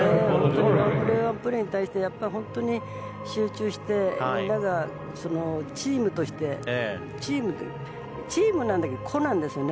ワンプレーワンプレーに対して、本当に集中して、みんながチームとしてチームなんだけど個なんだよね。